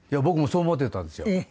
僕もそう思ってたんですよ。